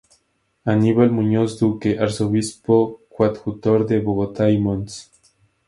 Aníbal Muñoz Duque, Arzobispo Coadjutor de Bogotá y Mons.